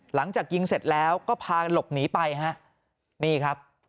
หลังจากยิงเสร็จแล้วก็พาหลบหนีไปฮะนี่ครับ